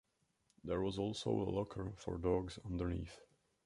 There was also a locker for dogs underneath.